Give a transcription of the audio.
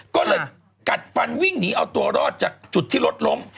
ก็เลยกัดฟันวิ่งหนีเอาตัวรอดจากจุดที่รถล้ม